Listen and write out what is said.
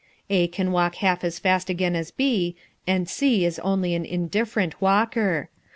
A can walk half as fast again as B, and C is only an indifferent walker.